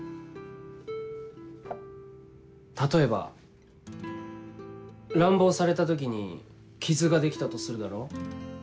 例えば乱暴された時に傷が出来たとするだろ。